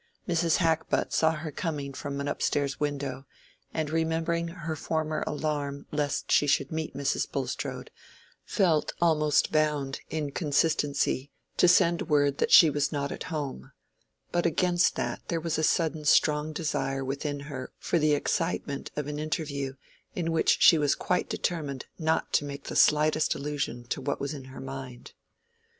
Mrs. Hackbutt saw her coming from an up stairs window, and remembering her former alarm lest she should meet Mrs. Bulstrode, felt almost bound in consistency to send word that she was not at home; but against that, there was a sudden strong desire within her for the excitement of an interview in which she was quite determined not to make the slightest allusion to what was in her mind.